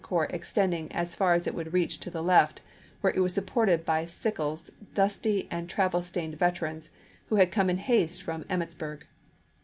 Corps extending as far as it would reach to the left, where it was supported by Sickles's dusty and travel stained veterans, who had come in haste from Emmitsburg.